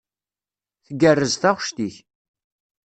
Tgerrez taɣect-ik.